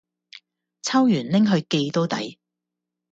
抽完拎去寄都抵